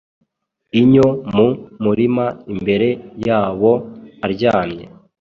Inyo mu murima imbere yabo aryamye